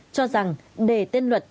cho rằng đề tên luật